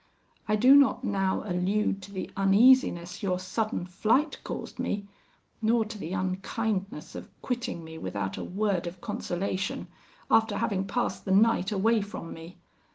I do not now allude to the uneasiness your sudden flight caused me, nor to the unkindness of quitting me without a word of consolation, after having passed the night away from me.